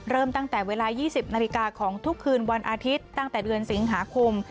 ตั้งแต่เวลา๒๐นาฬิกาของทุกคืนวันอาทิตย์ตั้งแต่เดือนสิงหาคม